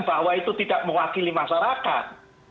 bahwa itu tidak mewakili masyarakat